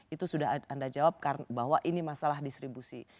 itu sudah anda jawab karena ini masalah distribusi